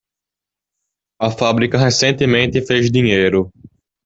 A fábrica recentemente fez dinheiro